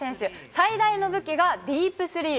最大の武器がディープスリー。